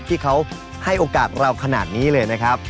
ที่เขาให้โอกาสเราขนาดนี้เลยนะครับ